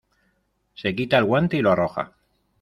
Se quita el guante y lo arroja.